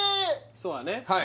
そうだね